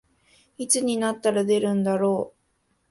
いつになったら出るんだろう